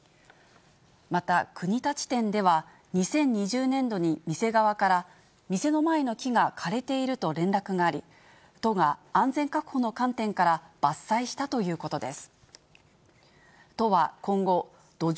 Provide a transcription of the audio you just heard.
また国立店では、２０２０年度に店側から、店の前の木が枯れていると連絡があり、都が安全確保の観点から伐採したということです。